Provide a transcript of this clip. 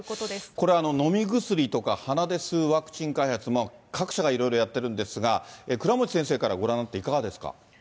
これ、飲み薬とか鼻で吸うワクチン開発、各社がいろいろやってるんですが、倉持先生からご覧になっていかがですか。